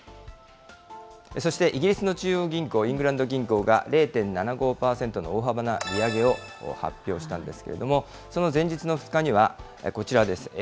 そして、イギリスの中央銀行、イングランド銀行が０．７５％の大幅な利上げを発表したんですけれども、その前日の２日には、こちらです。